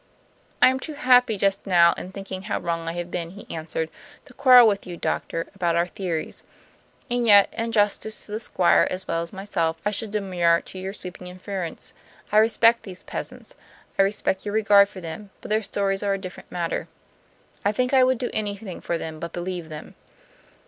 "I am too happy just now in thinking how wrong I have been," he answered, "to quarrel with you, doctor, about our theories. And yet, in justice to the Squire as well as myself, I should demur to your sweeping inference. I respect these peasants, I respect your regard for them; but their stories are a different matter. I think I would do anything for them but believe them.